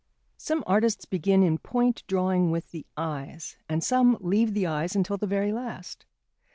Some artists begin in point drawing with the eyes, and some leave the eyes until the very last.